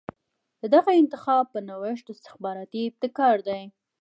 د دغه انتخاب په نوښت استخباراتي ابتکار دی.